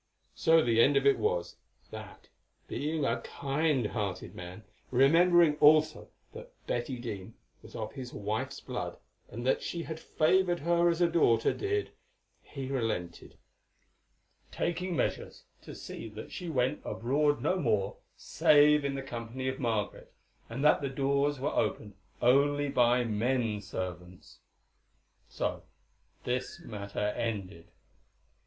So the end of it was, that, being a kind hearted man, remembering also that Betty Dene was of his wife's blood, and that she had favoured her as her daughter did, he relented, taking measures to see that she went abroad no more save in the company of Margaret, and that the doors were opened only by men servants. So this matter ended.